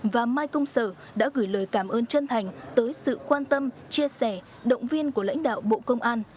và mai công sở đã gửi lời cảm ơn chân thành tới sự quan tâm chia sẻ động viên của lãnh đạo bộ công an